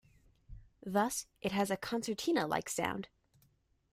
Thus, it has a concertina-like sound.